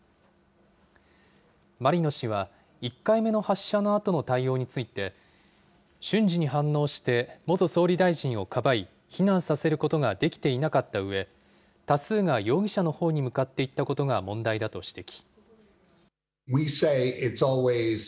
マリノ氏は、１回目の発射のあとの対応について、瞬時に反応して元総理大臣をかばい、避難させることができていなかったうえ、多数が容疑者のほうに向かっていったことが問題だと指摘。